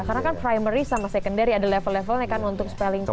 karena kan primary sama secondary ada level levelnya kan untuk spelling cup